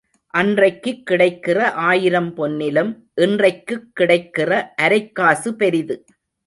அன்றைக்குக் கிடைக்கிற ஆயிரம் பொன்னிலும் இன்றைக்குக் கிடைக்கிற அரைக்காசு பெரிது.